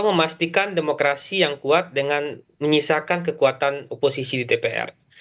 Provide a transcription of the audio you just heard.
memastikan demokrasi yang kuat dengan menyisakan kekuatan oposisi di dpr